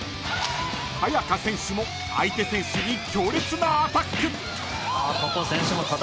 ［亜矢可選手も相手選手に強烈なアタック］